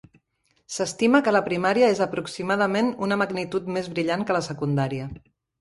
S'estima que la primària és aproximadament una magnitud més brillant que la secundària.